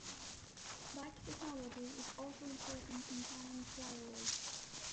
Bike technology is also important in time trials.